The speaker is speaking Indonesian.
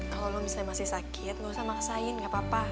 kalau misalnya masih sakit gak usah maksain gak apa apa